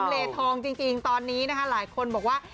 เลทองจริงตอนนี้นะคะหลายคนบอกว่า